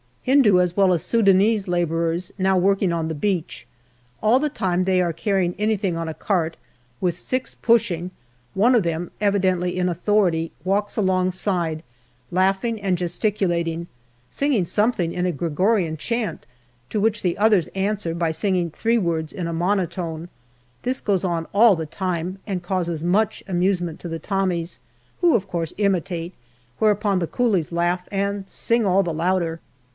MAY toi Hindu as well as Sudanese labourer? Vn*>w working Soil the beach. All the time that they are carrying anything on a cart, with six pushing, one of them, evidently in authority, walks alongside laughing and gesticulating, singing something in a Gregorian chant, to which the others answer by singing three words in a monotone. This goes on all the time and causes much amusement to the Tommies, who of course imitate, whereupon the coolies laugh and sing all the louder.